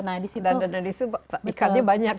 nah di situ ikannya banyak